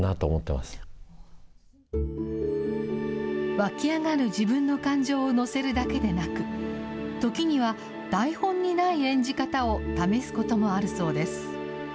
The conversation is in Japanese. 湧き上がる自分の感情を乗せるだけでなく、時には台本にない演じ方を試すこともあるそうです。